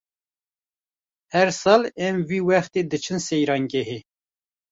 Her sal em vî wextî diçin seyrangehê.